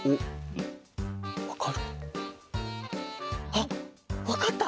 あっわかった！